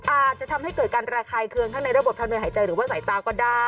อาจจะทำให้เกิดการระคายเคืองทั้งในระบบทางเดินหายใจหรือว่าสายตาก็ได้